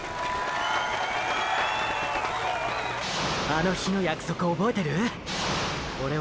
あの日の約束覚えてる⁉オレ